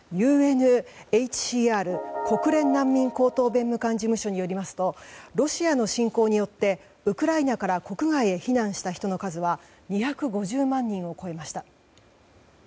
ＵＮＨＣＲ・国連難民高等弁務官事務所によりますとロシアの侵攻によってウクライナから国外へ避難した人の数は２５０万人を超えました。